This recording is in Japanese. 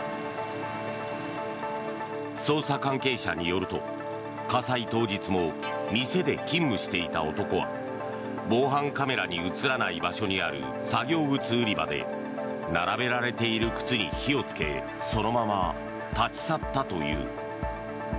捜査関係者によると火災当日も店で勤務していた男は防犯カメラに映らない場所にある作業靴売り場で並べられている靴に火をつけそのまま立ち去ったという。